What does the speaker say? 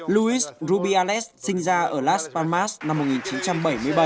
luis rubiales sinh ra ở las palmas năm một nghìn chín trăm bảy mươi bảy